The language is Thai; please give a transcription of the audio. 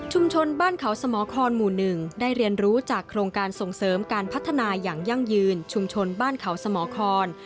บ้านเขาสมครหมู่๑ได้เรียนรู้จากโครงการส่งเสริมการพัฒนาอย่างยั่งยืนชุมชนบ้านเขาสมคร